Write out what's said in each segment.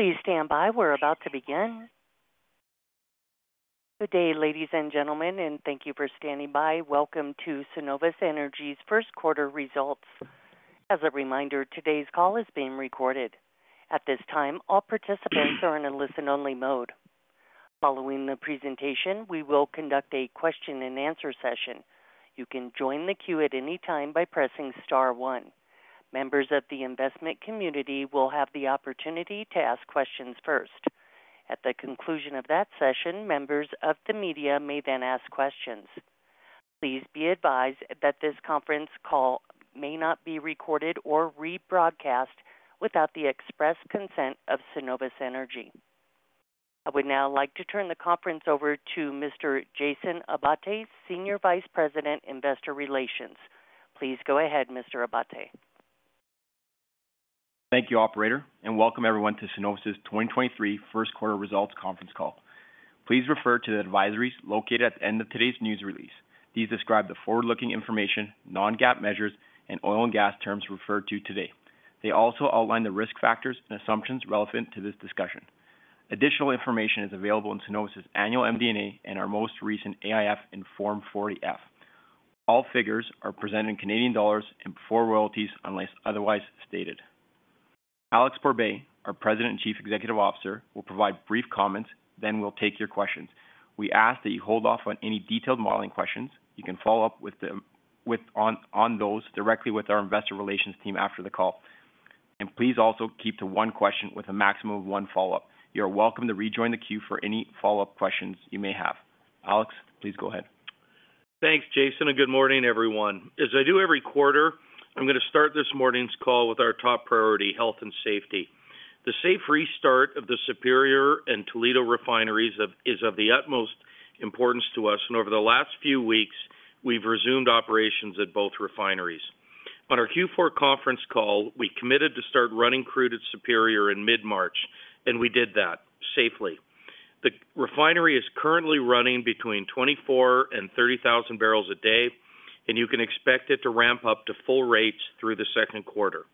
Please stand by. We're about to begin. Good day, ladies and gentlemen, thank you for standing by. Welcome to Cenovus Energy's first quarter results. As a reminder, today's call is being recorded. At this time, all participants are in a listen-only mode. Following the presentation, we will conduct a question-and-answer session. You can join the queue at any time by pressing star one. Members of the investment community will have the opportunity to ask questions first. At the conclusion of that session, members of the media may ask questions. Please be advised that this conference call may not be recorded or rebroadcast without the express consent of Cenovus Energy. I would now like to turn the conference over to Mr. Jason Abbate, Senior Vice President, Investor Relations. Please go ahead, Mr. Abbate. Thank you, operator, welcome everyone to Cenovus's 2023 first quarter results conference call. Please refer to the advisories located at the end of today's news release. These describe the forward-looking information, non-GAAP measures, and oil and gas terms referred to today. They also outline the risk factors and assumptions relevant to this discussion. Additional information is available in Cenovus's annual MD&A and our most recent AIF and Form 40-F. All figures are presented in Canadian dollars and before royalties unless otherwise stated. Alex Pourbaix, our President and Chief Executive Officer, will provide brief comments, we'll take your questions. We ask that you hold off on any detailed modeling questions. You can follow up on those directly with our investor relations team after the call. Please also keep to one question with a maximum of one follow-up. You're welcome to rejoin the queue for any follow-up questions you may have. Alex, please go ahead. Thanks, Jason. Good morning, everyone. As I do every quarter, I'm gonna start this morning's call with our top priority, health and safety. The safe restart of the Superior and Toledo refineries is of the utmost importance to us. Over the last few weeks, we've resumed operations at both refineries. On our Q4 conference call, we committed to start running crude at Superior in mid-March. We did that safely. The refinery is currently running between 24,000 and 30,000 barrels a day. You can expect it to ramp up to full rates through the second quarter.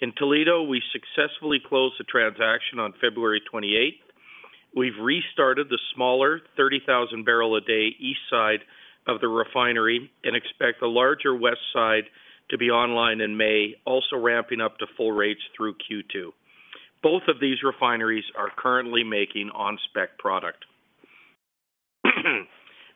In Toledo, we successfully closed the transaction on February 28th. We've restarted the smaller 30,000 barrel a day east side of the refinery and expect the larger west side to be online in May, also ramping up to full rates through Q2. Both of these refineries are currently making on-spec product.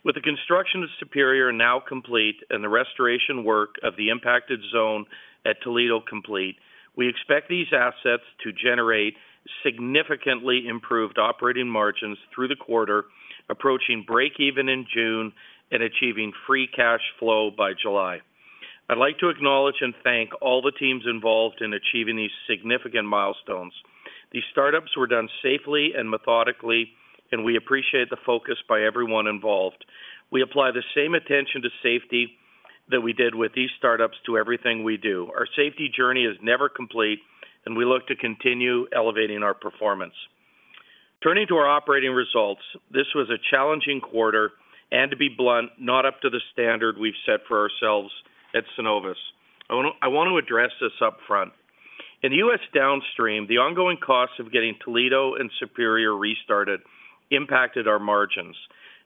With the construction of Superior now complete and the restoration work of the impacted zone at Toledo complete, we expect these assets to generate significantly improved operating margins through the quarter, approaching break even in June and achieving free cash flow by July. I'd like to acknowledge and thank all the teams involved in achieving these significant milestones. These startups were done safely and methodically. We appreciate the focus by everyone involved. We apply the same attention to safety that we did with these startups to everything we do. Our safety journey is never complete. We look to continue elevating our performance. Turning to our operating results, this was a challenging quarter. To be blunt, not up to the standard we've set for ourselves at Cenovus. I wanna address this up front. In the U.S. downstream, the ongoing costs of getting Toledo and Superior restarted impacted our margins.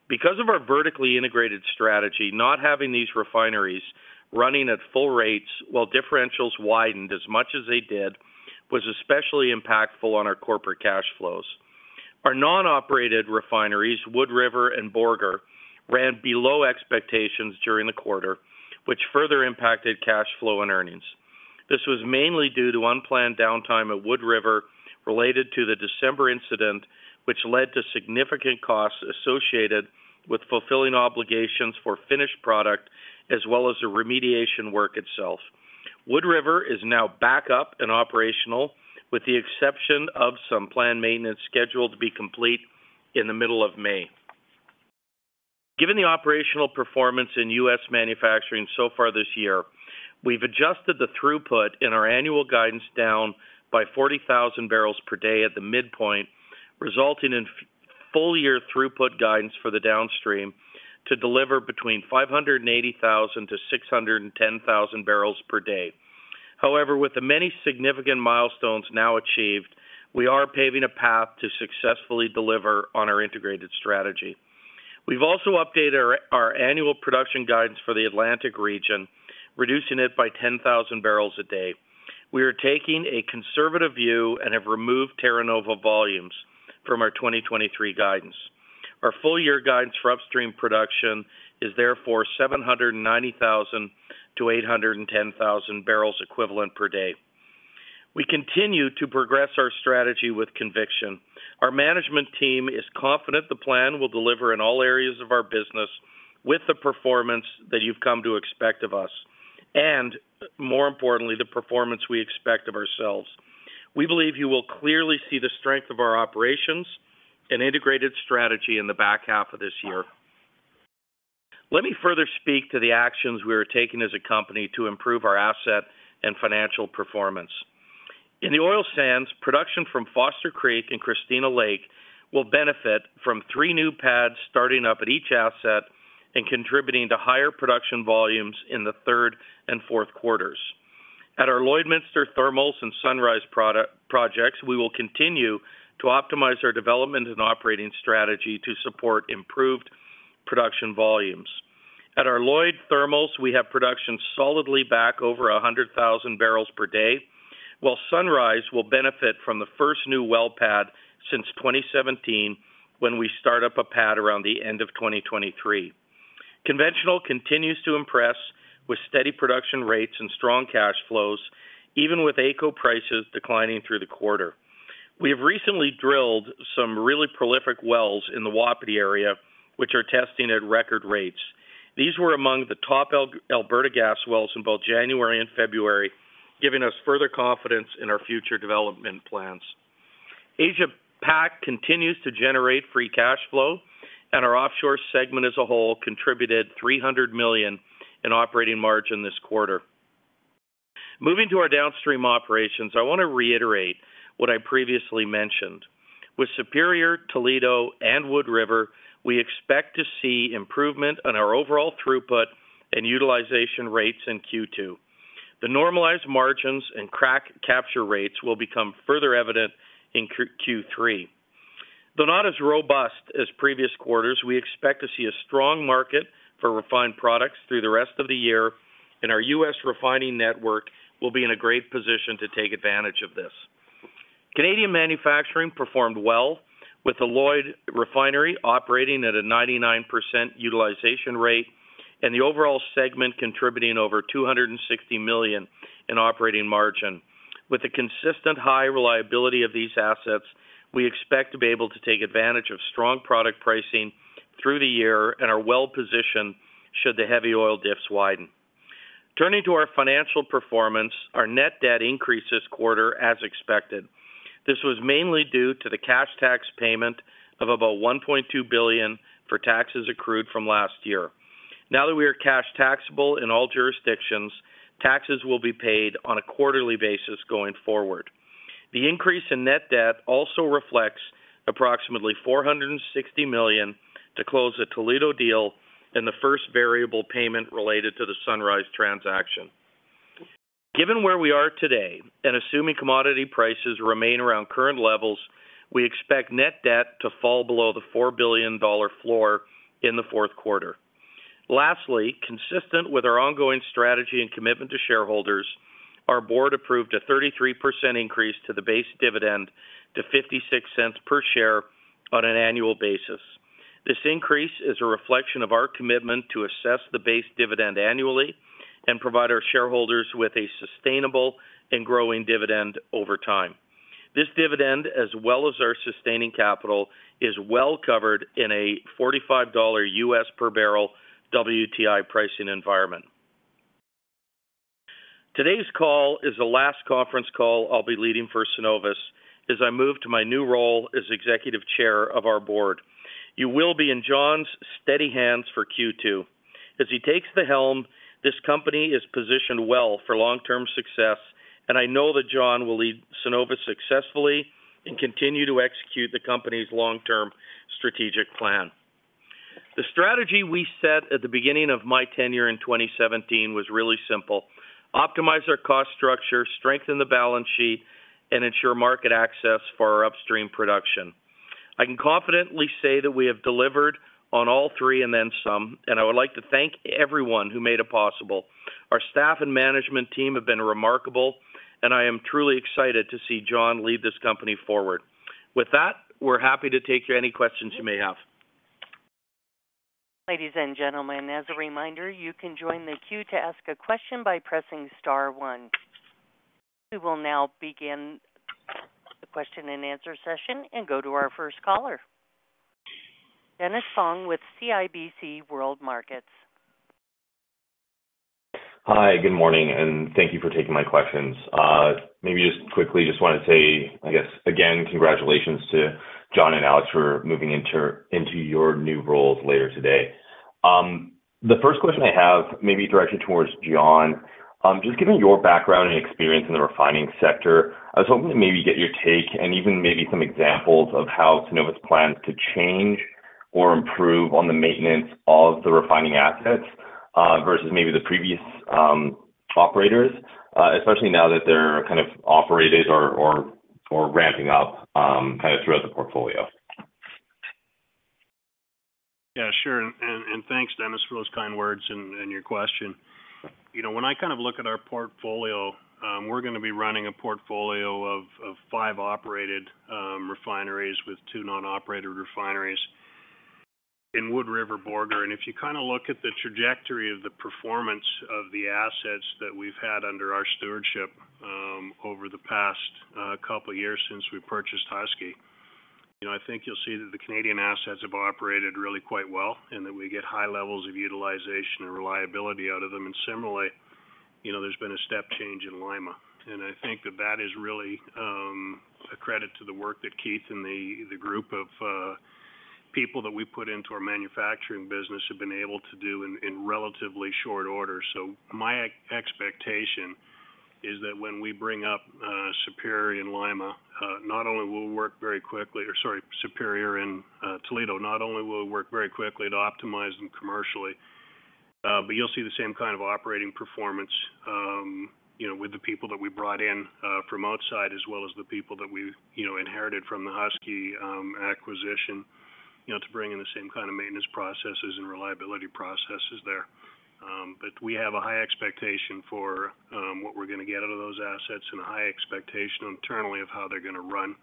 Because of our vertically integrated strategy, not having these refineries running at full rates while differentials widened as much as they did, was especially impactful on our corporate cash flows. Our non-operated refineries, Wood River and Borger, ran below expectations during the quarter, which further impacted cash flow and earnings. This was mainly due to unplanned downtime at Wood River related to the December incident, which led to significant costs associated with fulfilling obligations for finished product as well as the remediation work itself. Wood River is now back up and operational, with the exception of some planned maintenance scheduled to be complete in the middle of May. Given the operational performance in U.S. manufacturing so far this year, we've adjusted the throughput in our annual guidance down by 40,000 barrels per day at the midpoint, resulting in full year throughput guidance for the downstream to deliver between 580,000 to 610,000 barrels per day. With the many significant milestones now achieved, we are paving a path to successfully deliver on our integrated strategy. We've also updated our annual production guidance for the Atlantic region, reducing it by 10,000 barrels a day. We are taking a conservative view and have removed Terra Nova volumes from our 2023 guidance. Our full year guidance for upstream production is therefore 790,000 to 810,000 barrels equivalent per day. We continue to progress our strategy with conviction. Our management team is confident the plan will deliver in all areas of our business with the performance that you've come to expect of us, and more importantly, the performance we expect of ourselves. We believe you will clearly see the strength of our operations and integrated strategy in the back half of this year. Let me further speak to the actions we are taking as a company to improve our asset and financial performance. In the oil sands, production from Foster Creek and Christina Lake will benefit from 3 new pads starting up at each asset and contributing to higher production volumes in the third and fourth quarters. At our Lloydminster Thermals and Sunrise projects, we will continue to optimize our development and operating strategy to support improved production volumes. At our Lloyd Thermals, we have production solidly back over 100,000 barrels per day, while Sunrise will benefit from the first new well pad since 2017 when we start up a pad around the end of 2023. Conventional continues to impress with steady production rates and strong cash flows, even with AECO prices declining through the quarter. We have recently drilled some really prolific wells in the Wapiti area, which are testing at record rates. These were among the top Alberta gas wells in both January and February, giving us further confidence in our future development plans. Asia Pac continues to generate free cash flow and our offshore segment as a whole contributed 300 million in operating margin this quarter. Moving to our downstream operations, I wanna reiterate what I previously mentioned. With Superior, Toledo and Wood River, we expect to see improvement on our overall throughput and utilization rates in Q2. The normalized margins and crack capture rates will become further evident in Q3. Though not as robust as previous quarters, we expect to see a strong market for refined products through the rest of the year, and our U.S. refining network will be in a great position to take advantage of this. Canadian manufacturing performed well with the Lloyd Refinery operating at a 99% utilization rate and the overall segment contributing over 260 million in operating margin. With the consistent high reliability of these assets, we expect to be able to take advantage of strong product pricing through the year and are well-positioned should the heavy oil diffs widen. Turning to our financial performance, our net debt increased this quarter as expected. This was mainly due to the cash tax payment of about $1.2 billion for taxes accrued from last year. Now that we are cash taxable in all jurisdictions, taxes will be paid on a quarterly basis going forward. The increase in net debt also reflects approximately $460 million to close the Toledo deal and the first variable payment related to the Sunrise transaction. Given where we are today, and assuming commodity prices remain around current levels, we expect net debt to fall below the $4 billion floor in the fourth quarter. Lastly, consistent with our ongoing strategy and commitment to shareholders, our board approved a 33% increase to the base dividend to $0.56 per share on an annual basis. This increase is a reflection of our commitment to assess the base dividend annually and provide our shareholders with a sustainable and growing dividend over time. This dividend, as well as our sustaining capital, is well covered in a $45 dollar US per barrel WTI pricing environment. Today's call is the last conference call I'll be leading for Cenovus as I move to my new role as Executive Chair of our board. You will be in John's steady hands for Q2. As he takes the helm, this company is positioned well for long-term success, and I know that John will lead Cenovus successfully and continue to execute the company's long-term strategic plan. The strategy we set at the beginning of my tenure in 2017 was really simple: optimize our cost structure, strengthen the balance sheet, and ensure market access for our upstream production. I can confidently say that we have delivered on all three and then some, and I would like to thank everyone who made it possible. Our staff and management team have been remarkable and I am truly excited to see John lead this company forward. With that, we're happy to take any questions you may have. Ladies and gentlemen, as a reminder, you can join the queue to ask a question by pressing star one. We will now begin the question and answer session and go to our first caller. Dennis Fong with CIBC World Markets. Hi, good morning, and thank you for taking my questions. Maybe just quickly, just wanna say, I guess, again, congratulations to John and Alex for moving into your new roles later today. The first question I have maybe directed towards John, just given your background and experience in the refining sector, I was hoping to maybe get your take and even maybe some examples of how Cenovus plans to change or improve on the maintenance of the refining assets, versus maybe the previous operators, especially now that they're kind of operators or ramping up kind of throughout the portfolio. Sure. Thanks, Dennis, for those kind words and your question. You know, when I kind of look at our portfolio, we're gonna be running a portfolio of five operated refineries with two non-operated refineries in Wood River Borger. If you kinda look at the trajectory of the performance of the assets that we've had under our stewardship over the past couple years since we purchased Husky, you know, I think you'll see that the Canadian assets have operated really quite well and that we get high levels of utilization and reliability out of them. Similarly, you know, there's been a step change in Lima, and I think that that is really a credit to the work that Keith Chiasson and the group of. People that we put into our manufacturing business have been able to do in relatively short order. My expectation is that when we bring up Superior and Lima, not only will work very quickly or sorry, Superior and Toledo, not only will it work very quickly to optimize them commercially, but you'll see the same kind of operating performance, you know, with the people that we brought in from outside as well as the people that we, you know, inherited from the Husky acquisition, you know, to bring in the same kind of maintenance processes and reliability processes there. We have a high expectation for what we're gonna get out of those assets and a high expectation internally of how they're gonna run.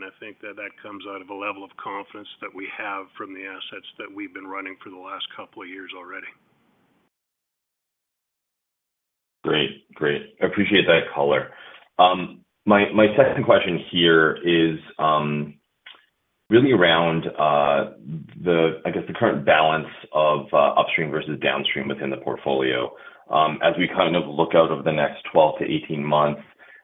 I think that that comes out of a level of confidence that we have from the assets that we've been running for the last couple of years already. Great. Great. I appreciate that color. My second question here is really around I guess, the current balance of upstream versus downstream within the portfolio. As we kind of look out over the next 12 to 18 months,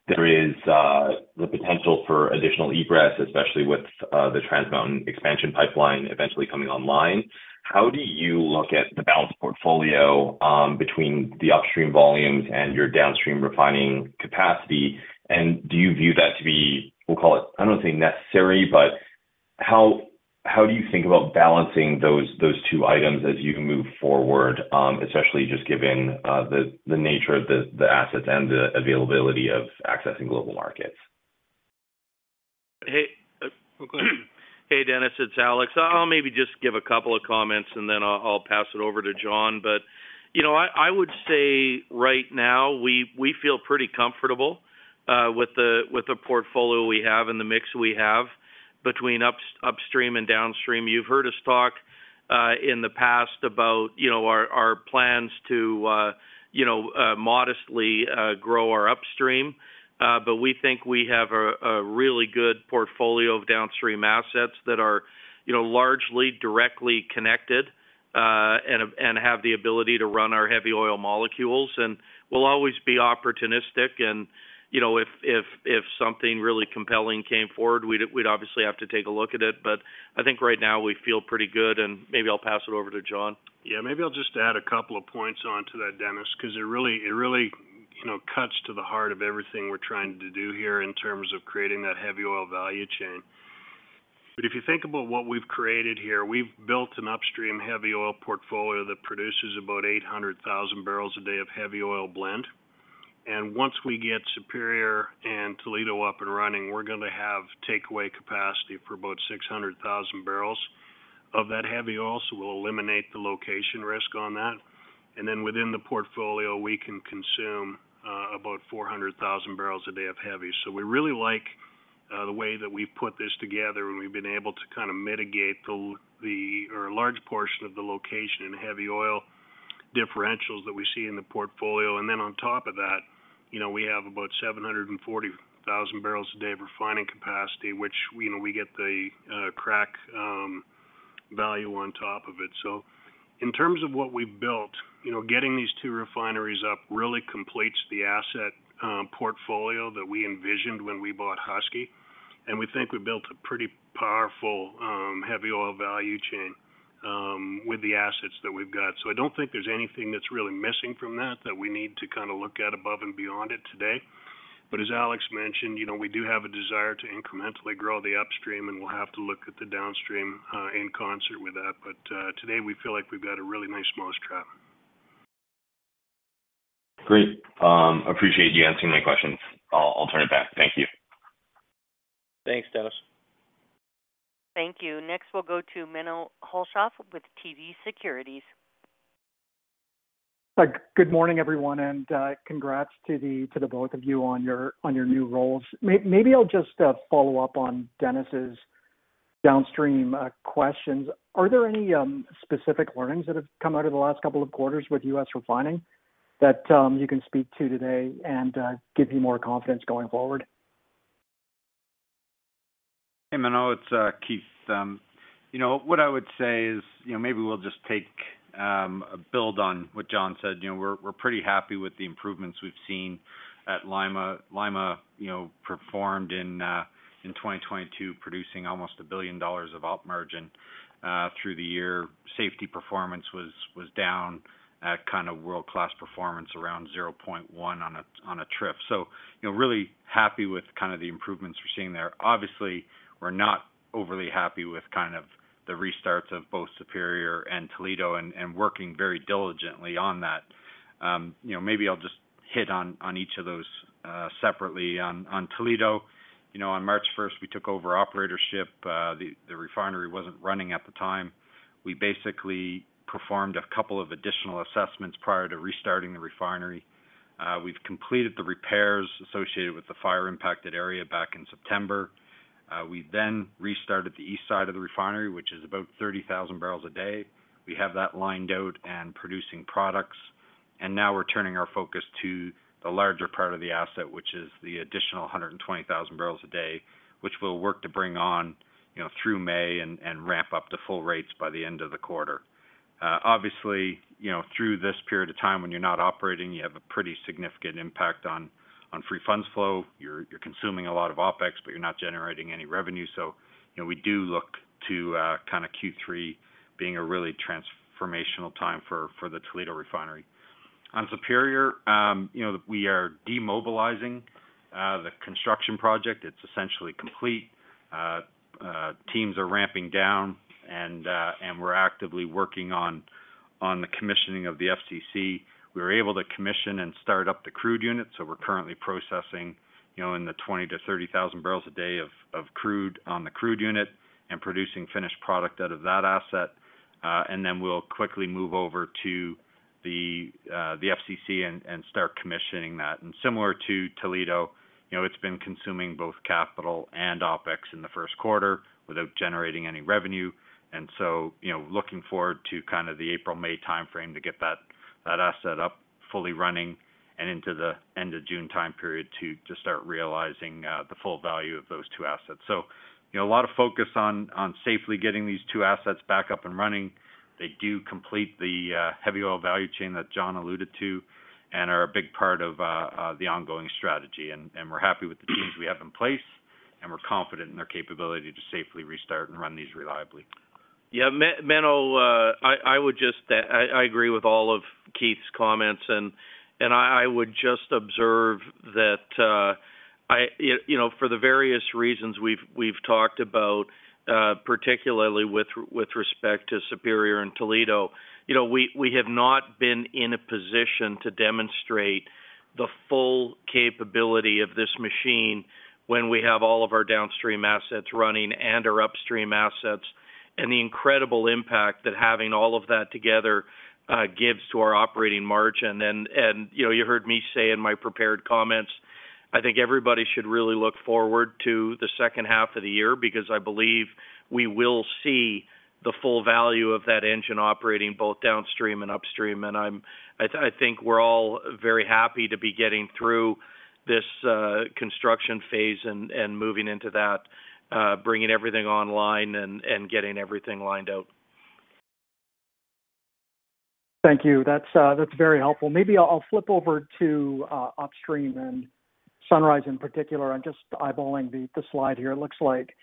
there is the potential for additional egress, especially with the Trans Mountain expansion pipeline eventually coming online. How do you look at the balanced portfolio between the upstream volumes and your downstream refining capacity? Do you view that to be, we'll call it, I don't want to say necessary, but how do you think about balancing those two items as you move forward, especially just given the nature of the assets and the availability of accessing global markets? Hey, hey, Dennis Fong, it's Alex Pourbaix. I'll maybe just give a couple of comments and then I'll pass it over to Jon McKenzie You know, I would say right now, we feel pretty comfortable with the portfolio we have and the mix we have between Upstream and Downstream. You've heard us talk in the past about, you know, our plans to, you know, modestly grow our Upstream. We think we have a really good portfolio of Downstream assets that are, you know, largely directly connected and have the ability to run our heavy oil molecules. We'll always be opportunistic and, you know, if something really compelling came forward, we'd obviously have to take a look at it. I think right now we feel pretty good, and maybe I'll pass it over to John. Yeah, maybe I'll just add a couple of points on to that, Dennis, 'cause it really, you know, cuts to the heart of everything we're trying to do here in terms of creating that heavy oil value chain. If you think about what we've created here, we've built an upstream heavy oil portfolio that produces about 800,000 barrels a day of heavy oil blend. Once we get Superior and Toledo up and running, we're gonna have takeaway capacity for about 600,000 barrels of that heavy oil, so we'll eliminate the location risk on that. Then within the portfolio, we can consume about 400,000 barrels a day of heavy. We really like the way that we've put this together, and we've been able to kind of mitigate a large portion of the location in heavy oil differentials that we see in the portfolio. On top of that, you know, we have about 740,000 barrels a day of refining capacity, which, you know, we get the crack value on top of it. In terms of what we've built, you know, getting these two refineries up really completes the asset portfolio that we envisioned when we bought Husky. We think we built a pretty powerful heavy oil value chain with the assets that we've got. I don't think there's anything that's really missing from that we need to kind of look at above and beyond it today. As Alex mentioned, you know, we do have a desire to incrementally grow the upstream, and we'll have to look at the downstream, in concert with that. Today we feel like we've got a really nice mousetrap. Great. Appreciate you answering my questions. I'll turn it back. Thank you. Thanks, Dennis. Thank you. Next, we'll go to Menno Hulshof with TD Securities. Good morning, everyone, and congrats to the both of you on your new roles. Maybe I'll just follow up on Dennis's downstream questions. Are there any specific learnings that have come out of the last couple of quarters with U.S. refining that you can speak to today and gives you more confidence going forward? Hey, Menno. It's Keith Chiasson. You know what I would say is, you know, maybe we'll just take a build on what John said. You know, we're pretty happy with the improvements we've seen at Lima. Lima, you know, performed in 2022, producing almost 1 billion dollars of OP margin through the year. Safety performance was down at kind of world-class performance around 0.1 on a trip. You know, really happy with kind of the improvements we're seeing there. Obviously, we're not overly happy with kind of the restarts of both Superior and Toledo and working very diligently on that. You know, maybe I'll just hit on each of those separately. On Toledo, you know, on March first, we took over operatorship. The refinery wasn't running at the time. We basically performed a couple of additional assessments prior to restarting the refinery. We've completed the repairs associated with the fire-impacted area back in September. We restarted the east side of the refinery, which is about 30,000 barrels a day. We have that lined out and producing products. Now we're turning our focus to the larger part of the asset, which is the additional 120,000 barrels a day, which we'll work to bring on, you know, through May and ramp up to full rates by the end of the quarter. Obviously, you know, through this period of time when you're not operating, you have a pretty significant impact on free funds flow. You're consuming a lot of OpEx, but you're not generating any revenue. You know, we do look to kind of Q3 being a really transformational time for the Toledo Refinery. On Superior, you know, we are demobilizing the construction project. It's essentially complete. Teams are ramping down and we're actively working on the commissioning of the FCC. We were able to commission and start up the crude unit, so we're currently processing, you know, in the 20,000-30,000 barrels a day of crude on the crude unit and producing finished product out of that asset. Then we'll quickly move over to the FCC and start commissioning that. Similar to Toledo, you know, it's been consuming both capital and OpEx in the first quarter without generating any revenue. You know, looking forward to kind of the April-May timeframe to get that asset up, fully running, and into the end of June time period to start realizing the full value of those two assets. You know, a lot of focus on safely getting these two assets back up and running. They do complete the heavy oil value chain that John alluded to and are a big part of the ongoing strategy. We're happy with the teams we have in place, and we're confident in their capability to safely restart and run these reliably. Yeah. Menno, I agree with all of Keith's comments, and I would just observe that, you know, for the various reasons we've talked about, particularly with respect to Superior and Toledo, you know, we have not been in a position to demonstrate the full capability of this machine when we have all of our downstream assets running and our upstream assets, and the incredible impact that having all of that together gives to our operating margin. You know, you heard me say in my prepared comments, I think everybody should really look forward to the second half of the year, because I believe we will see the full value of that engine operating both downstream and upstream. I think we're all very happy to be getting through this, construction phase and moving into that, bringing everything online and getting everything lined out. Thank you. That's very helpful. Maybe I'll flip over to upstream and Sunrise in particular. I'm just eyeballing the slide here. It looks like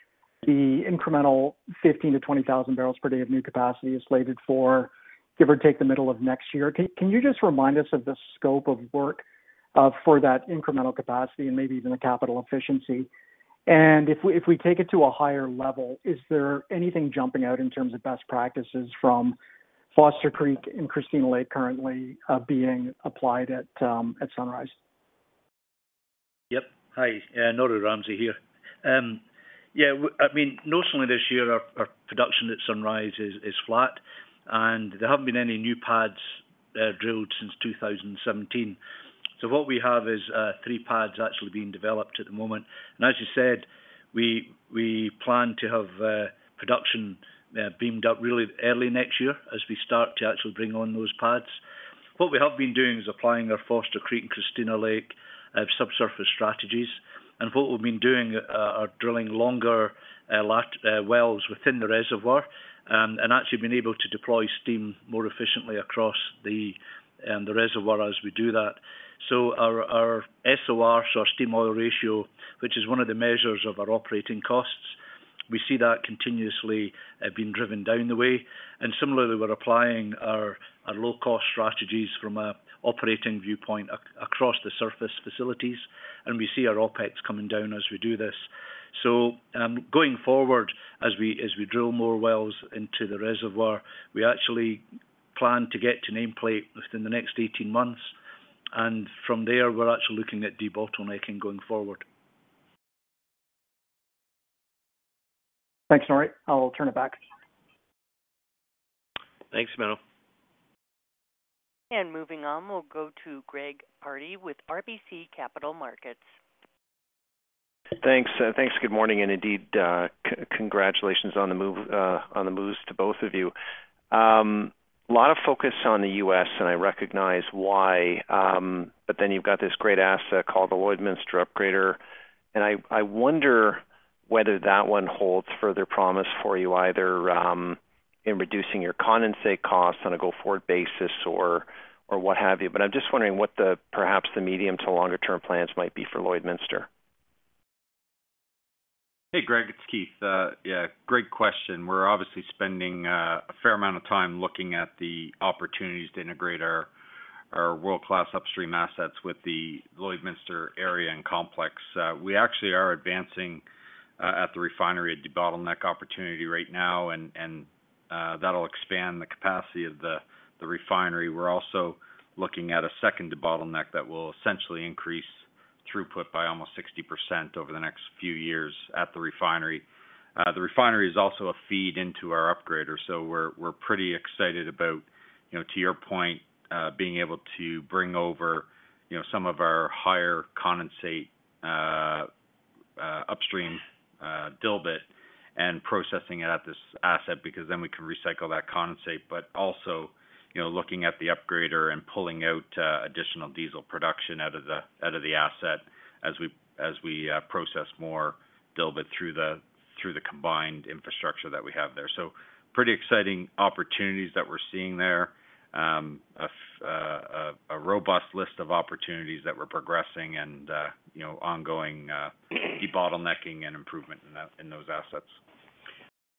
the incremental 15,000-20,000 barrels per day of new capacity is slated for give or take the middle of next year. Can you just remind us of the scope of work for that incremental capacity and maybe even the capital efficiency? If we, if we take it to a higher level, is there anything jumping out in terms of best practices from Foster Creek and Christina Lake currently being applied at Sunrise? Yep. Hi. Norrie Ramsay here. Yeah, I mean, notionally this year our production at Sunrise is flat, there haven't been any new pads drilled since 2017. What we have is 3 pads actually being developed at the moment. As you said, we plan to have production beamed up really early next year as we start to actually bring on those pads. What we have been doing is applying our Foster Creek, Christina Lake subsurface strategies. What we've been doing are drilling longer wells within the reservoir, and actually been able to deploy steam more efficiently across the reservoir as we do that. Our SORs or steam oil ratio, which is one of the measures of our operating costs, we see that continuously being driven down the way. Similarly, we're applying our low cost strategies from an operating viewpoint across the surface facilities, and we see our OpEx coming down as we do this. Going forward, as we drill more wells into the reservoir, we actually plan to get to nameplate within the next 18 months. From there, we're actually looking at debottlenecking going forward. Thanks, Norrie. I'll turn it back. Thanks, Menno. Moving on, we'll go to Greg Pardy with RBC Capital Markets. Thanks. Thanks. Good morning, and indeed, congratulations on the move, on the moves to both of you. A lot of focus on the U.S., I recognize why, you've got this great asset called the Lloydminster Upgrader. I wonder whether that one holds further promise for you, either, in reducing your condensate costs on a go-forward basis or what have you. I'm just wondering what the perhaps the medium to longer term plans might be for Lloydminster. Hey, Greg, it's Keith Chiasson. Yeah, great question. We're obviously spending a fair amount of time looking at the opportunities to integrate our world-class upstream assets with the Lloydminster area and complex. We actually are advancing at the refinery a debottleneck opportunity right now, and that'll expand the capacity of the refinery. We're also looking at a second debottleneck that will essentially increase throughput by almost 60% over the next few years at the refinery. The refinery is also a feed into our upgrader. We're pretty excited about, you know, to your point, being able to bring over, you know, some of our higher condensate, upstream, dilbit and processing it at this asset, because then we can recycle that condensate. You know, looking at the upgrader and pulling out additional diesel production out of the asset as we process more dilbit through the combined infrastructure that we have there. Pretty exciting opportunities that we're seeing there. A robust list of opportunities that we're progressing and, you know, ongoing debottlenecking and improvement in those assets.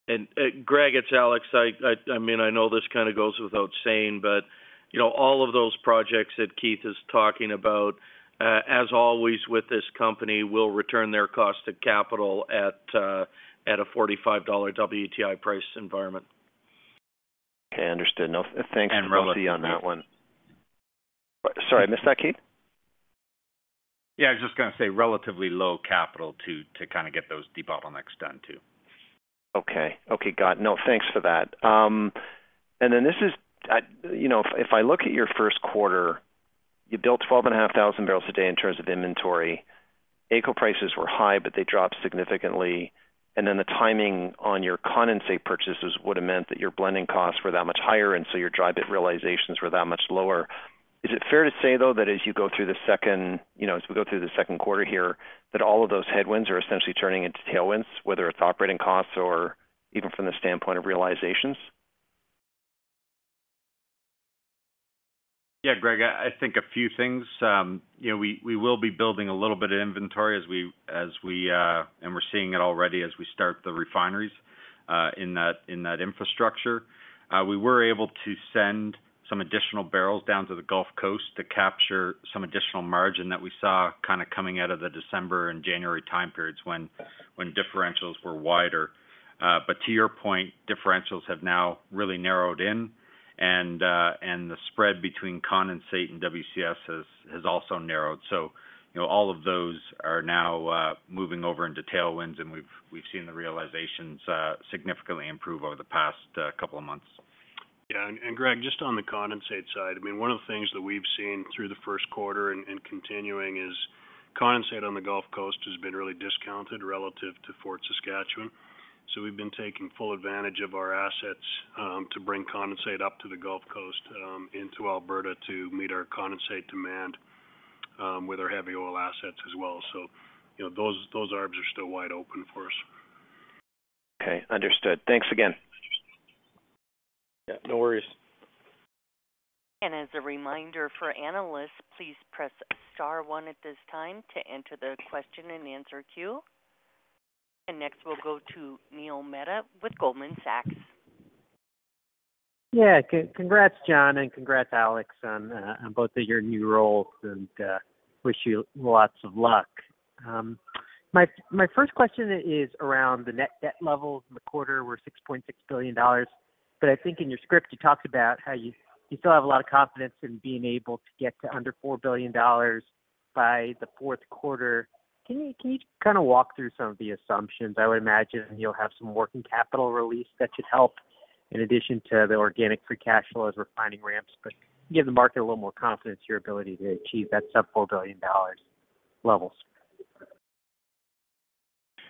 Greg, it's Alex. I mean, I know this kind of goes without saying, but, you know, all of those projects that Keith is talking about, as always with this company, will return their cost to capital at a $45 WTI price environment. Okay, understood. Now, thanks to both on that one. And relatively- Sorry, I missed that, Keith Chiasson. Yeah, I was just gonna say relatively low capital to kind of get those debottlenecks done, too. Okay. Okay, got it. No, thanks for that. This is, you know, if I look at your first quarter, you built 12,500 barrels a day in terms of inventory. AECO prices were high, they dropped significantly. The timing on your condensate purchases would have meant that your blending costs were that much higher, and so your dilbit realizations were that much lower. Is it fair to say, though, that as we go through the second quarter here, that all of those headwinds are essentially turning into tailwinds, whether it's operating costs or even from the standpoint of realizations? Greg, I think a few things. You know, we will be building a little bit of inventory as we and we're seeing it already as we start the refineries in that infrastructure. We were able to send some additional barrels down to the Gulf Coast to capture some additional margin that we saw kinda coming out of the December and January time periods when differentials were wider. To your point, differentials have now really narrowed in. The spread between condensate and WCS has also narrowed. You know, all of those are now moving over into tailwinds, and we've seen the realizations significantly improve over the past couple of months. Yeah. Greg, just on the condensate side, I mean, one of the things that we've seen through the first quarter and continuing is condensate on the Gulf Coast has been really discounted relative to Fort Saskatchewan. We've been taking full advantage of our assets to bring condensate up to the Gulf Coast into Alberta to meet our condensate demand with our heavy oil assets as well. You know, those arbs are still wide open for us. Okay. Understood. Thanks again. Yeah, no worries. As a reminder for analysts, please press star one at this time to enter the question-and-answer queue. Next, we'll go to Neil Mehta with Goldman Sachs. Congrats, Jon Royall, and congrats, Alex Pourbaix, on both of your new roles, and wish you lots of luck. My first question is around the net debt levels in the quarter were 6.6 billion dollars. I think in your script you talked about how you still have a lot of confidence in being able to get to under 4 billion dollars by the fourth quarter. Can you kind of walk through some of the assumptions? I would imagine you'll have some working capital release that should help in addition to the organic free cash flow as refining ramps, but give the market a little more confidence in your ability to achieve that sub 4 billion dollars levels.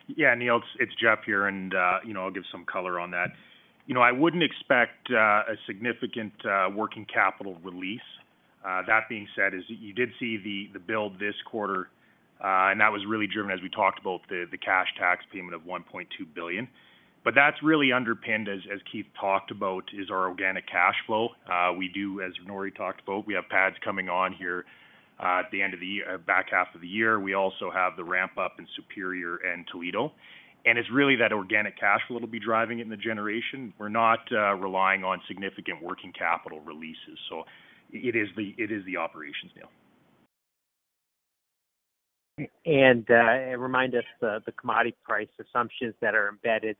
Yeah. Neil, it's Jeff here, you know, I'll give some color on that. You know, I wouldn't expect a significant working capital release. That being said is you did see the build this quarter, and that was really driven, as we talked about, the cash tax payment of $1.2 billion. That's really underpinned, as Keith talked about, is our organic cash flow. We do as Norrie talked about, we have pads coming on here, back half of the year. We also have the ramp up in Superior and Toledo. It's really that organic cash flow that'll be driving it in the generation. We're not relying on significant working capital releases. It is the operations deal. Remind us the commodity price assumptions that are embedded,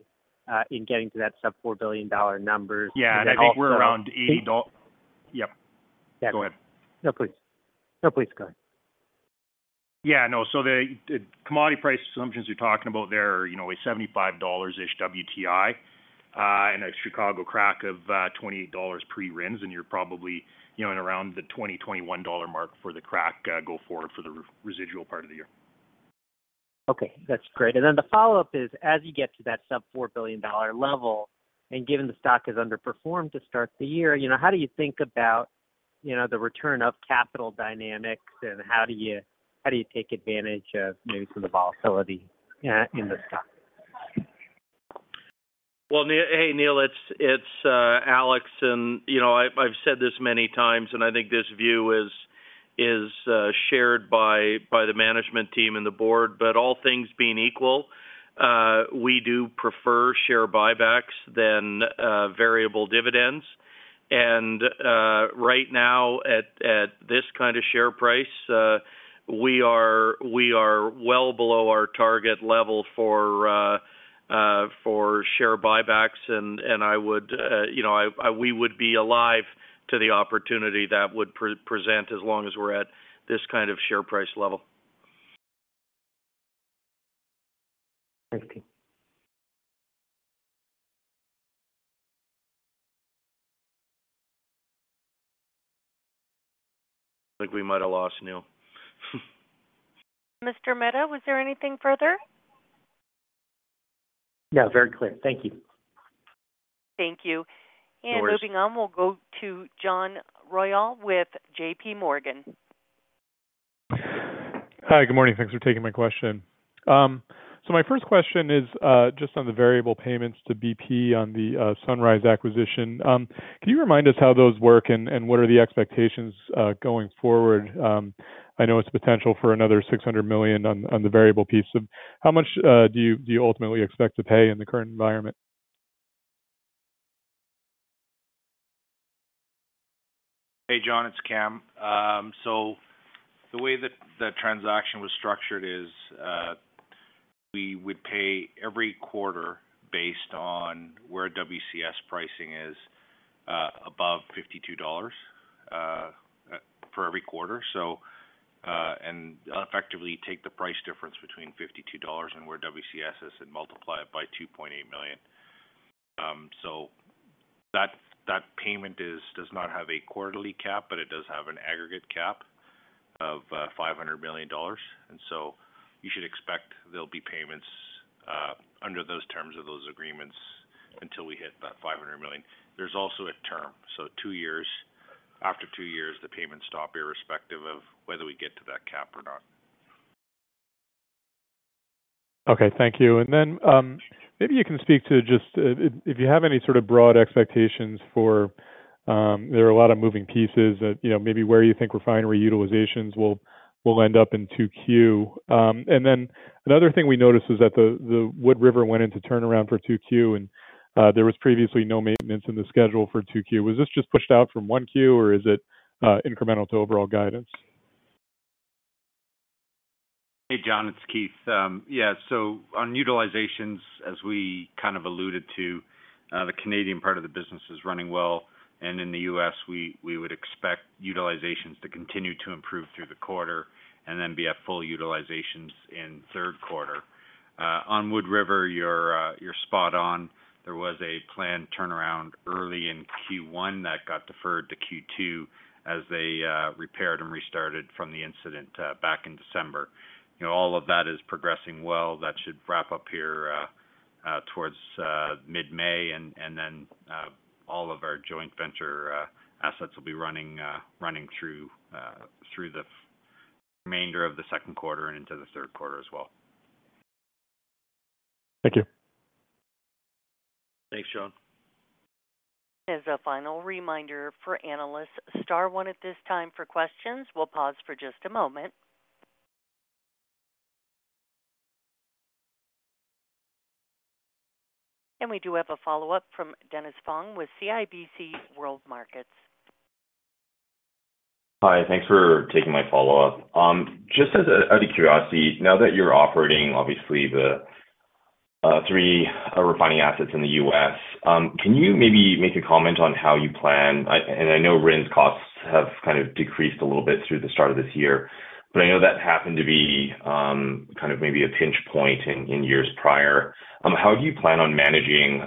in getting to that sub $4 billion number? Yeah. I think we're around $80. Also- Yep. Yeah. Go ahead. No, please. No, please go ahead. Yeah. No. The, the commodity price assumptions you're talking about there are, you know, a $75-ish WTI, and a Chicago crack of $28 pre-RINs, and you're probably, you know, in around the $20, $21 mark for the crack, go forward for the residual part of the year. Okay, that's great. The follow-up is, as you get to that sub $4 billion level, and given the stock has underperformed to start the year, you know, how do you think about, you know, the return of capital dynamics, and how do you take advantage of maybe some of the volatility in the stock? Well, hey, Neil, it's Alex. You know, I've said this many times, and I think this view is shared by the management team and the board. All things being equal, we do prefer share buybacks than variable dividends. Right now at this kind of share price, we are well below our target level for share buybacks. You know, we would be alive to the opportunity that would present as long as we're at this kind of share price level. Thanks, team. I think we might have lost Neil. Mr. Mehta, was there anything further? Yeah, very clear. Thank you. Thank you. Of course. Moving on, we'll go to John Royall with JPMorgan. Hi. Good morning. Thanks for taking my question. My first question is just on the variable payments to BP on the Sunrise acquisition. Can you remind us how those work and what are the expectations going forward? I know it's potential for another 600 million on the variable piece. How much do you ultimately expect to pay in the current environment? Hey, John, it's Kam Sandhu. .The way that the transaction was structured is, we would pay every quarter based on where WCS pricing is above $52 for every quarter. Effectively take the price difference between $52 and where WCS is and multiply it by $2.8 million. That payment does not have a quarterly cap, but it does have an aggregate cap of $500 million. You should expect there'll be payments under those terms of those agreements until we hit that $500 million. There's also a term, so two years. After two years, the payments stop, irrespective of whether we get to that cap or not. Okay, thank you. Maybe you can speak to just if you have any sort of broad expectations for, there are a lot of moving pieces that, you know, maybe where you think refinery utilizations will end up in 2Q. Another thing we noticed is that the Wood River went into turnaround for 2Q, and there was previously no maintenance in the schedule for 2Q. Was this just pushed out from 1Q, or is it incremental to overall guidance? Hey, John, it's Keith. Yeah. On utilizations, as we kind of alluded to, the Canadian part of the business is running well, and in the U.S., we would expect utilizations to continue to improve through the quarter and then be at full utilizations in third quarter. On Wood River, you're spot on. There was a planned turnaround early in Q1 that got deferred to Q2 as they repaired and restarted from the incident back in December. You know, all of that is progressing well. That should wrap up here towards mid-May. All of our joint venture assets will be running through the remainder of the second quarter and into the third quarter as well. Thank you. Thanks, John. As a final reminder for analysts, star one at this time for questions. We'll pause for just a moment. We do have a follow-up from Dennis Fong with CIBC World Markets. Hi. Thanks for taking my follow-up. Just as out of curiosity, now that you're operating obviously the three refining assets in the U.S., can you maybe make a comment on how you plan... I know RINs costs have kind of decreased a little bit through the start of this year, but I know that happened to be kind of maybe a pinch point in years prior. How do you plan on managing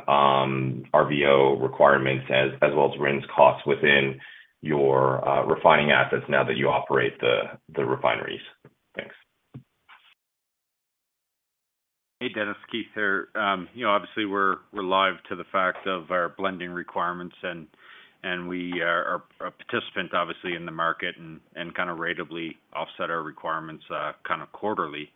RVO requirements as well as RINs costs within your refining assets now that you operate the refineries? Thanks. Hey, Dennis Fong. Keith Chiasson here. You know, obviously, we're live to the fact of our blending requirements, and we are a participant, obviously, in the market and kind of ratably offset our requirements quarterly.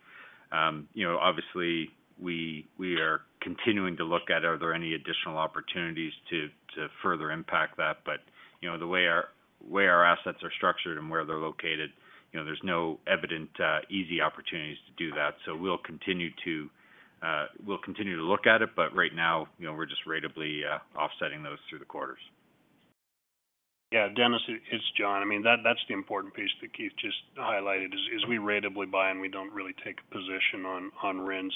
You know, obviously, we are continuing to look at, are there any additional opportunities to further impact that? You know, the way our assets are structured and where they're located, you know, there's no evident easy opportunities to do that. We'll continue to look at it, but right now, you know, we're just ratably offsetting those through the quarters. Yeah. Dennis Fong, it's John Royall. I mean, that's the important piece that Keith Chiasson just highlighted is we ratably buy, and we don't really take a position on RINs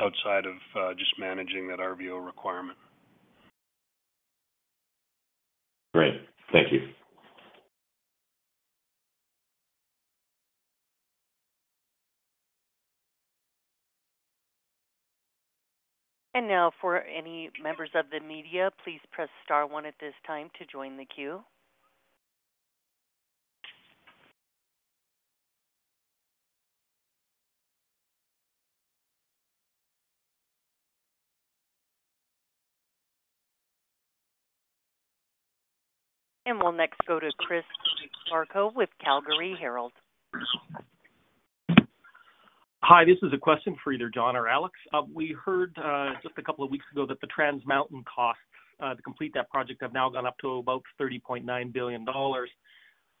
outside of just managing that RVO requirement. Great. Thank you. Now for any members of the media, please press star one at this time to join the queue. We'll next go to Chris Varcoe with Calgary Herald. Hi, this is a question for either John or Alex. We heard, just a couple of weeks ago that the Trans Mountain costs, to complete that project have now gone up to about 30.9 billion dollars.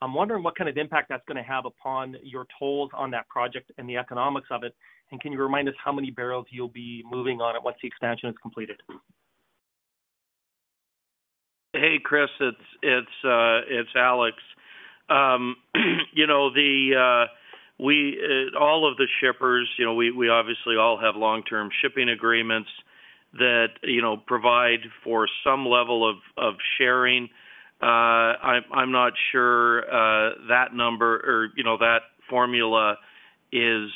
I'm wondering what kind of impact that's gonna have upon your tolls on that project and the economics of it. Can you remind us how many barrels you'll be moving on it once the expansion is completed? Hey, Chris. It's Alex. You know, the all of the shippers, you know, we obviously all have long-term shipping agreements that, you know, provide for some level of sharing. I'm not sure that number or, you know, that formula is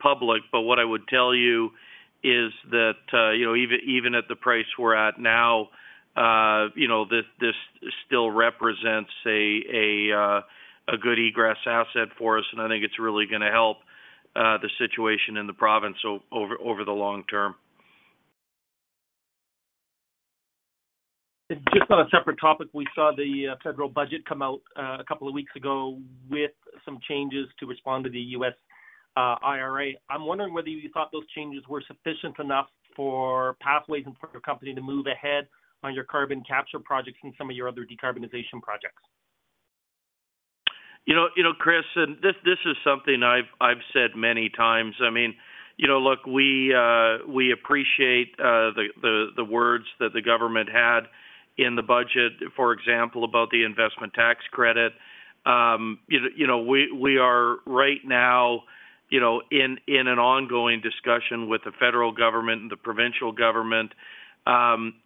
public. What I would tell you Is that, you know, even at the price we're at now, you know, this still represents a good egress asset for us, and I think it's really gonna help the situation in the province over the long term. Just on a separate topic, we saw the federal budget come out a couple of weeks ago with some changes to respond to the U.S. IRA. I'm wondering whether you thought those changes were sufficient enough for Pathways and for your company to move ahead on your carbon capture projects and some of your other decarbonization projects? You know, Chris, and this is something I've said many times. I mean, you know, look, we appreciate the words that the government had in the budget, for example, about the investment tax credit. You know, we are right now, in an ongoing discussion with the federal government and the provincial government. You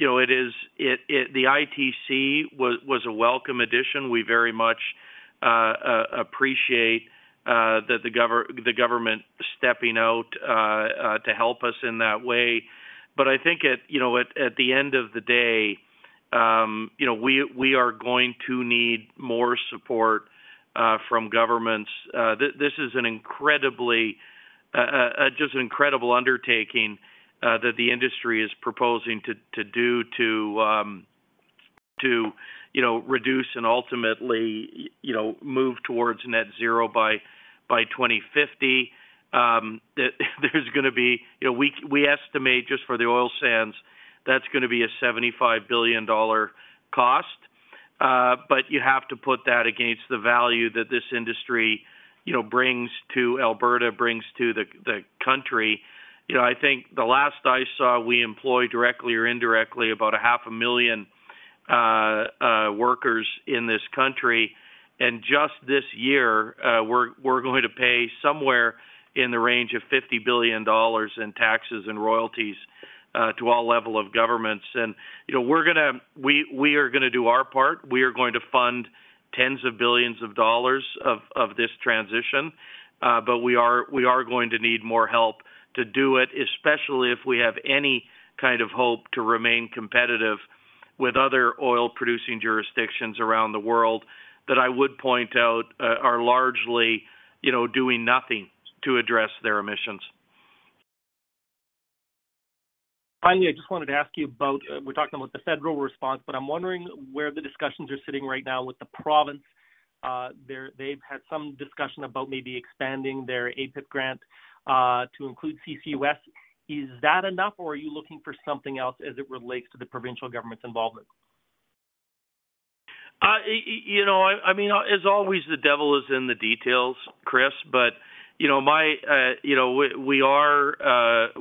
know, the ITC was a welcome addition. We very much appreciate the government stepping out to help us in that way. I think at, you know, at the end of the day, you know, we are going to need more support from governments. This is an incredibly, just an incredible undertaking, that the industry is proposing to do to, you know, reduce and ultimately, you know, move towards net zero by 2050. You know, we estimate just for the oil sands, that's gonna be a 75 billion dollar cost. You have to put that against the value that this industry, you know, brings to Alberta, brings to the country. You know, I think the last I saw, we employ directly or indirectly about a half a million workers in this country. Just this year, we're going to pay somewhere in the range of 50 billion dollars in taxes and royalties to all level of governments. You know, we are gonna do our part. We are going to fund tens of billions of dollars of this transition, but we are going to need more help to do it, especially if we have any kind of hope to remain competitive with other oil-producing jurisdictions around the world that I would point out, are largely, you know, doing nothing to address their emissions. Finally, I just wanted to ask you about, we're talking about the federal response, but I'm wondering where the discussions are sitting right now with the province. They've had some discussion about maybe expanding their APIP, to include CCUS. Is that enough, or are you looking for something else as it relates to the provincial government's involvement? You know, I mean, as always, the devil is in the details, Chris. You know, my, you know, we are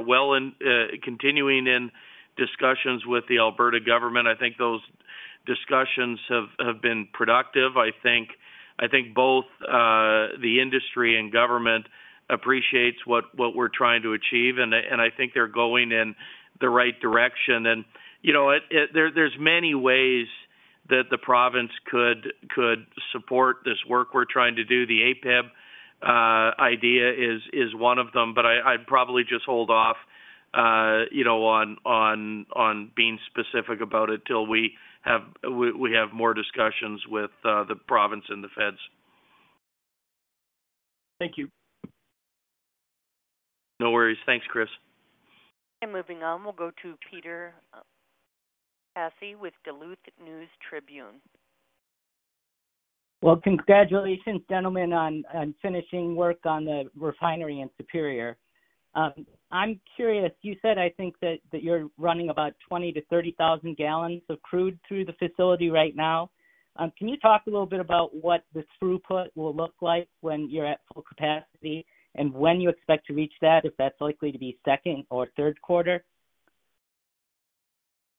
well in, continuing in discussions with the Alberta government. I think those discussions have been productive. I think both the industry and government appreciates what we're trying to achieve, and I think they're going in the right direction. You know, there's many ways that the province could support this work we're trying to do. The APIP idea is one of them, but I'd probably just hold off, you know, on being specific about it till we have more discussions with the province and the feds. Thank you. No worries. Thanks, Chris. Moving on, we'll go to Peter Passi with Duluth News Tribune. Congratulations, gentlemen, on finishing work on the refinery in Superior. I'm curious, you said, I think that you're running about 20,000-30,000 gallons of crude through the facility right now. Can you talk a little bit about what this throughput will look like when you're at full capacity and when you expect to reach that, if that's likely to be second or third quarter?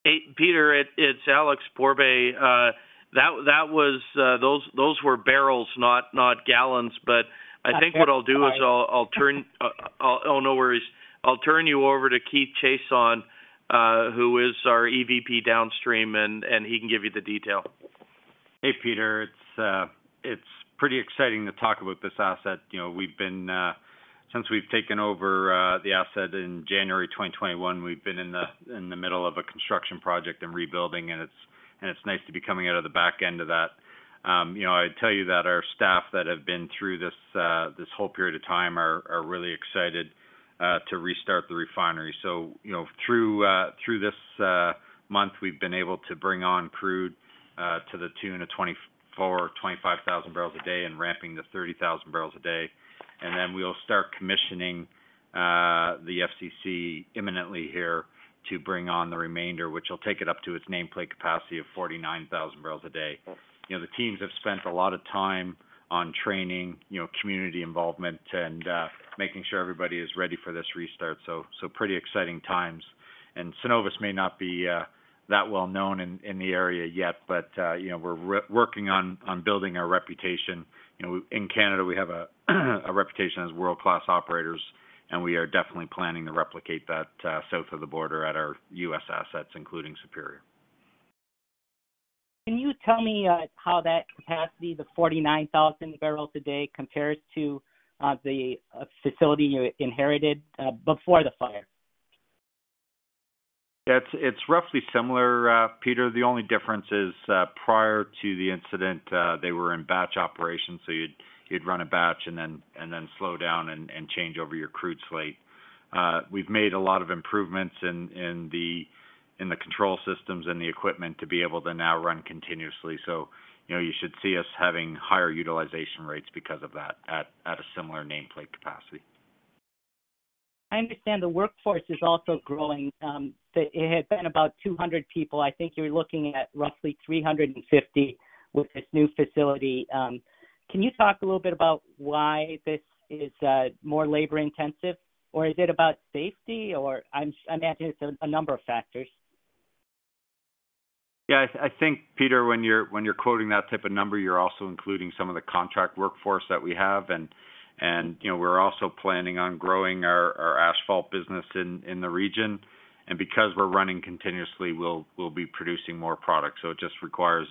Hey, Peter, it's Alex Pourbaix. That was those were barrels, not gallons. I think what I'll do is I'll turn... Oh, sorry. No worries. I'll turn you over to Keith Chiasson, who is our EVP Downstream, and he can give you the detail. Hey, Peter. It's pretty exciting to talk about this asset. You know, we've been since we've taken over the asset in January 2021, we've been in the middle of a construction project and rebuilding, and it's nice to be coming out of the back end of that. You know, I'd tell you that our staff that have been through this whole period of time are really excited to restart the refinery. You know, through this month, we've been able to bring on crude to the tune of 24,000-25,000 barrels a day and ramping to 30,000 barrels a day. We'll start commissioning the FCC imminently here to bring on the remainder, which will take it up to its nameplate capacity of 49,000 barrels a day. You know, the teams have spent a lot of time on training, you know, community involvement and making sure everybody is ready for this restart. Pretty exciting times. Cenovus may not be that well known in the area yet, but, you know, we're working on building our reputation. You know, in Canada, we have a reputation as world-class operators, and we are definitely planning to replicate that south of the border at our US assets, including Superior. Can you tell me, how that capacity, the 49,000 barrels a day, compares to the facility you inherited before the fire? It's roughly similar, Peter. The only difference is, prior to the incident, they were in batch operations, so you'd run a batch and then slow down and change over your crude slate. We've made a lot of improvements in the control systems and the equipment to be able to now run continuously. You know, you should see us having higher utilization rates because of that at a similar nameplate capacity. I understand the workforce is also growing. It had been about 200 people. I think you're looking at roughly 350 with this new facility. Can you talk a little bit about why this is more labor-intensive, or is it about safety, or I imagine it's a number of factors? Yeah, I think, Peter, when you're quoting that type of number, you're also including some of the contract workforce that we have. And, you know, we're also planning on growing our asphalt business in the region. Because we're running continuously, we'll be producing more product. It just requires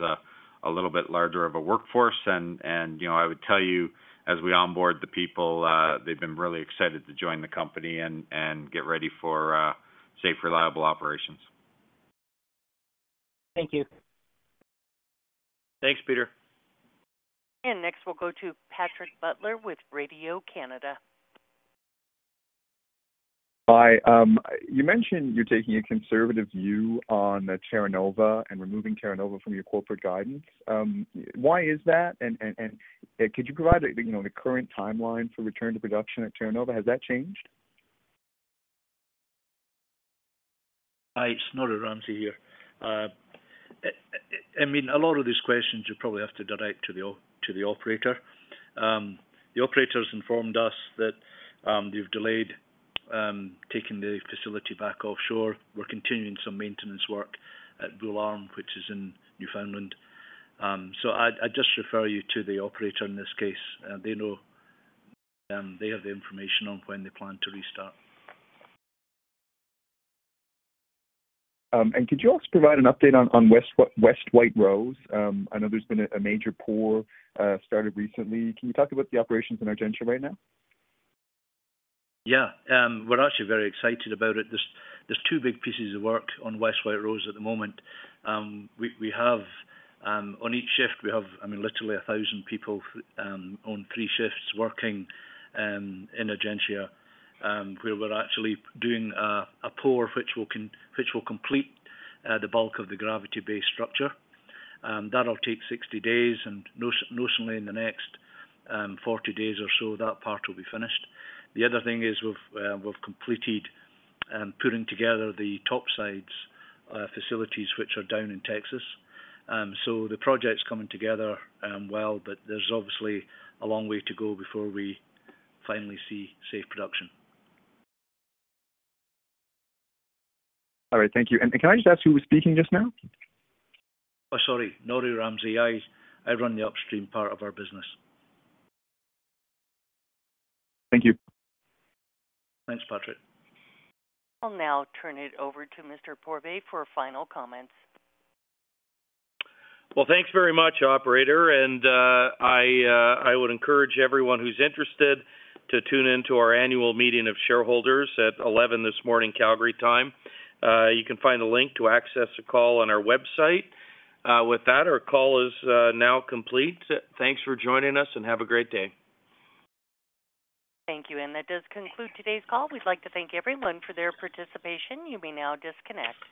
a little bit larger of a workforce. And, you know, I would tell you, as we onboard the people, they've been really excited to join the company and get ready for safe, reliable operations. Thank you. Thanks, Peter. Next, we'll go to Patrick Butler with Radio-Canada. Hi. You mentioned you're taking a conservative view on Terra Nova and removing Terra Nova from your corporate guidance. Why is that? Could you provide, you know, the current timeline for return to production at Terra Nova? Has that changed? Hi, it's Norrie Ramsay here. I mean, a lot of these questions you probably have to direct to the operator. The operator's informed us that they've delayed taking the facility back offshore. We're continuing some maintenance work at Bull Arm, which is in Newfoundland. I'd just refer you to the operator in this case. They know they have the information on when they plan to restart. Could you also provide an update on West White Rose? I know there's been a major pour started recently. Can you talk about the operations in Argentia right now? Yeah. We're actually very excited about it. There's two big pieces of work on West White Rose at the moment. We have on each shift, we have, I mean, literally 1,000 people on three shifts working in Argentia, where we're actually doing a pour, which will complete the bulk of the gravity-based structure. That'll take 60 days and notionally in the next 40 days or so, that part will be finished. The other thing is we've completed putting together the top sides facilities which are down in Texas. The project's coming together well, but there's obviously a long way to go before we finally see safe production. All right. Thank you. Can I just ask who was speaking just now? Oh, sorry. Norrie Ramsay. I run the upstream part of our business. Thank you. Thanks, Patrick. I'll now turn it over to Mr. Pourbaix for final comments. Well, thanks very much, operator. I would encourage everyone who's interested to tune in to our annual meeting of shareholders at 11 this morning, Calgary time. You can find the link to access the call on our website. With that, our call is now complete. Thanks for joining us, and have a great day. Thank you. That does conclude today's call. We'd like to thank everyone for their participation. You may now disconnect.